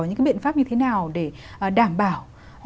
những biện pháp như thế nào để đảm bảo